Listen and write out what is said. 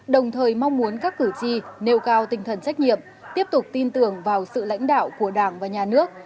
đồng thời mong muốn các cử tri nêu cao tinh thần trách nhiệm tiếp tục tin tưởng vào sự lãnh đạo của đảng và nhà nước